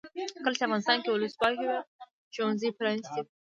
کله چې افغانستان کې ولسواکي وي ښوونځي پرانیستي وي.